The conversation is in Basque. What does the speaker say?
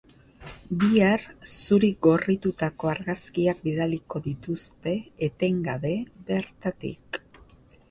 Bihar, zuri gorritutako argazkiak bidaliko dituzte, etengabe, bertatik.